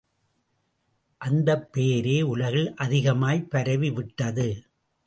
அந்தப் பெயரே உலகில் அதிகமாய்ப் பரவிவிட்டது.